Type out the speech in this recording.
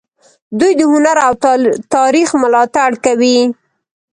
دوی د هنر او تاریخ ملاتړ کوي.